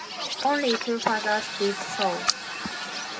Only two fathers did so.